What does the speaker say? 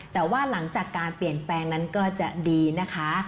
แต่ว่าหลังจากการเปลี่ยนแปลงนั้นก็จะดีนะคะ